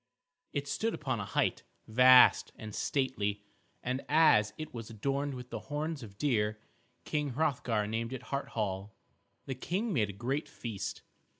It stood upon a height, vast and stately, and as it was adorned with the horns of deer, King Hrothgar named it Hart Hall. The King made a great feast.